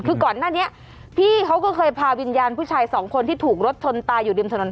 คือก่อนหน้านี้พี่เขาก็เคยพาวิญญาณผู้ชายสองคนที่ถูกรถชนตายอยู่ริมถนน